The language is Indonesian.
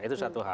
itu satu hal